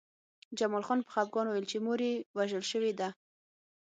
جمال خان په خپګان وویل چې مور یې وژل شوې ده